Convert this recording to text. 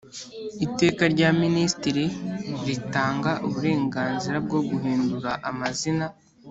Iteka rya Ministiri ritanga uburenganzira bwo guhindura amazina